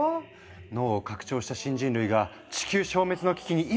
脳を拡張した新人類が地球消滅の危機に今立ち向かう！